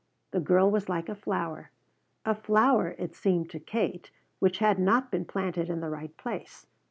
The girl was like a flower; a flower, it seemed to Kate, which had not been planted in the right place.